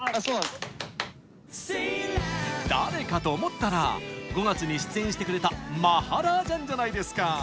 誰かと思ったら５月に出演してくれたマハラージャンじゃないですか。